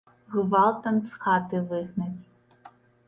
Гвалтам з хаты выгнаць.